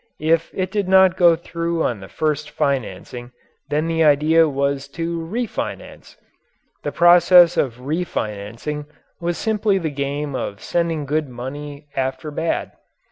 If it did not go through on the first financing then the idea was to "refinance." The process of "refinancing" was simply the game of sending good money after bad.